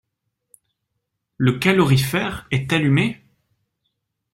Le calorifère est allumé ?